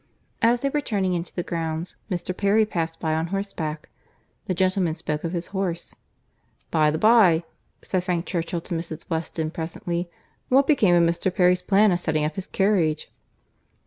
As they were turning into the grounds, Mr. Perry passed by on horseback. The gentlemen spoke of his horse. "By the bye," said Frank Churchill to Mrs. Weston presently, "what became of Mr. Perry's plan of setting up his carriage?"